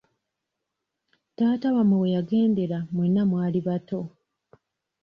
Taata wamwe we yagendera mwenna mwali bato.